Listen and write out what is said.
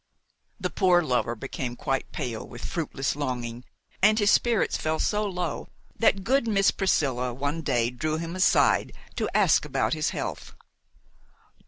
The poor lover became quite pale with fruitless longing, and his spirits fell so low that good Miss Priscilla one day drew him aside to ask about his health.